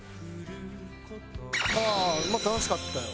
ああまあ楽しかったよ。